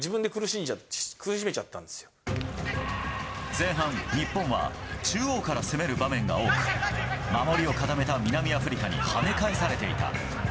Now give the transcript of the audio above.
前半、日本は中央から攻める場面が多く守備を固めた南アフリカに跳ね返されていた。